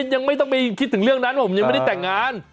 ยังไม่ต้องไปคิดถึงเรื่องนั้นผมยังไม่ได้แต่งงาน